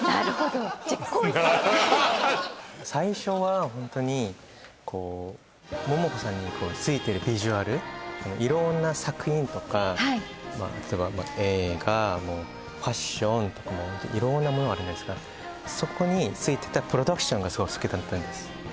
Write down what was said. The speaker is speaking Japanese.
どっ最初はホントにこう桃子さんについてるビジュアル色んな作品とかはい映画もファッションとかも色んなものがあるんですがそこについてたプロダクションがすごい好きだったんです